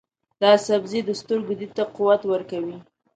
دا سبزی د سترګو دید ته قوت ورکوي.